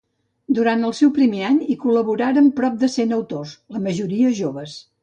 Durant el seu primer any hi col·laboraren prop de cent autors, la majoria joves.